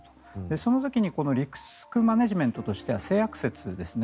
その時にリスクマネジメントとしては性悪説ですね。